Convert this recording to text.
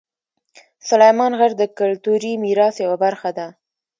سلیمان غر د کلتوري میراث یوه برخه ده.